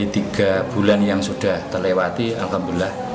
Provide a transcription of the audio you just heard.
ketika panen ini diangkat